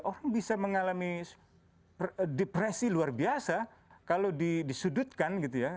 orang bisa mengalami depresi luar biasa kalau disudutkan gitu ya